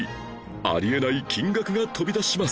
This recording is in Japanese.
あり得ない金額が飛び出します